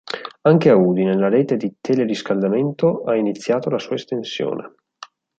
Anche a Udine la rete di teleriscaldamento ha iniziato la sua estensione.